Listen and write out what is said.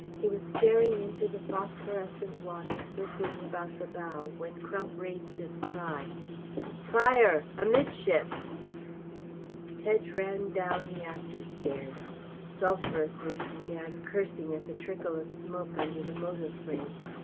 He was staring into the phosphorescent water circling about the bow when Crump raised his cry: "Fire amidships!" Tedge ran down the after stairs. Sulphurously he began cursing at the trickle of smoke under the motor frame.